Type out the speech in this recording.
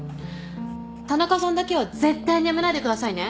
田中さんだけは絶対に辞めないでくださいね。